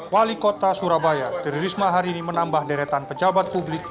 wali kota surabaya tri risma hari ini menambah deretan pejabat publik